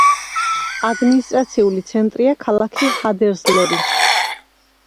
ადმინისტრაციული ცენტრია ქალაქი ჰადერსლევი.